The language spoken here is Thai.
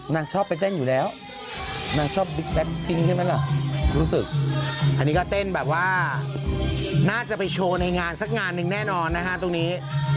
นางชอบไปเต้นอยู่แล้วนางชอบรู้สึกอันนี้ก็เต้นแบบว่าน่าจะไปโชว์ในงานสักงานหนึ่งแน่นอนนะฮะตรงนี้